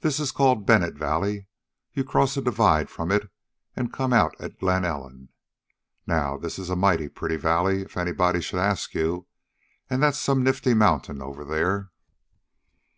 "This is called Bennett Valley. You cross a divide from it and come out at Glen Ellen. Now this is a mighty pretty valley, if anybody should ask you. An' that's some nifty mountain over there."